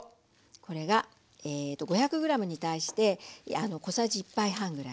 これが５００ｇに対して小さじ１杯半ぐらいね。